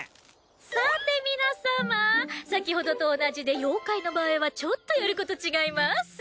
さて皆様先ほどと同じで妖怪の場合はちょっとやること違います。